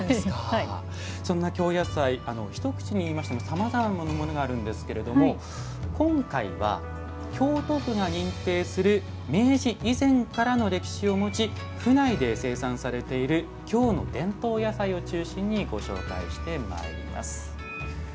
そんな京野菜一口に言いましてもさまざまなものがあるんですが今回は京都府が認定する明治以前からの歴史を持ち府内で生産されている京の伝統野菜を中心にご紹介してまいります。